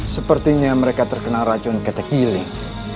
sepertinya mereka terkena racun katekiling